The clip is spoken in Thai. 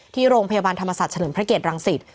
ที่โรงพยาบาลธรรมศาสตร์เฉลิมพระเกตรังสิต